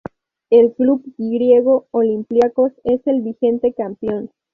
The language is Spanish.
El club griego Olympiacos es el vigente campeón.